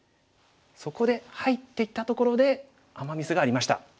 そこで入っていったところでアマ・ミスがありました。